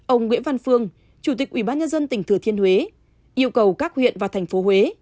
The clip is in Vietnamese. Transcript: ông nguyễn văn phương chủ tịch ubnd tỉnh thừa thiên huế yêu cầu các huyện và thành phố huế